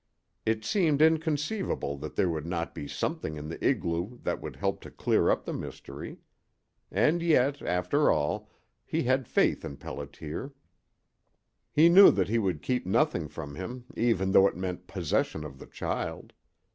It seemed inconceivable that there would not be something in the igloo that would help to clear up the mystery. And yet, after all, he had faith in Pelliter. He knew that he would keep nothing from him even though it meant possession of the child.